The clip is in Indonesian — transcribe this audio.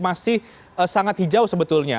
masih sangat hijau sebetulnya